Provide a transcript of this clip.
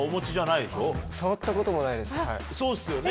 そうっすよね。